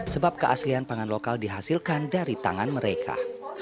sebab keaslian pangan lokal dihasilkan dari tangan mereka